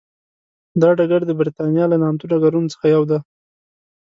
دا ډګر د برېتانیا له نامتو ډګرونو څخه یو دی.